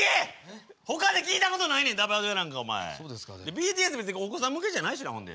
ＢＴＳ別にお子さん向けじゃないしねほんで。